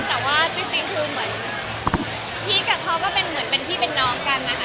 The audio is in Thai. แต่ว่าจริงคือเหมือนพีคกับเขาก็เป็นเหมือนเป็นพี่เป็นน้องกันนะคะ